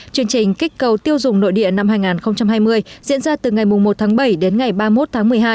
chương trình kích cầu tiêu dùng nội địa năm hai nghìn hai mươi diễn ra từ ngày một tháng bảy đến ngày ba mươi một tháng một mươi hai